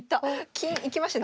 金行きましたね。